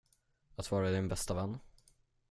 Att vara din bästa vän?